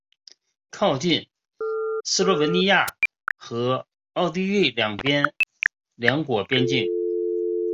靠近斯洛文尼亚和奥地利两国边境。